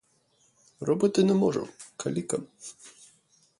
Робити не можу, каліка!